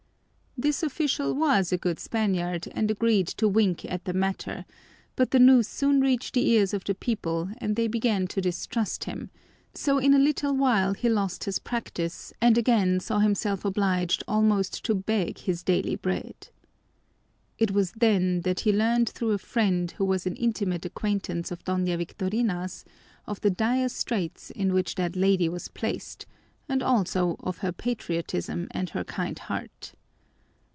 This official was a good Spaniard and agreed to wink at the matter, but the news soon reached the ears of the people and they began to distrust him, so in a little while he lost his practise and again saw himself obliged almost to beg his daily bread. It was then that he learned through a friend, who was an intimate acquaintance of Doña Victorina's, of the dire straits in which that lady was placed and also of her patriotism and her kind heart.